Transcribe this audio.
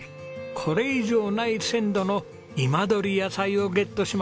これ以上ない鮮度の今どり野菜をゲットします。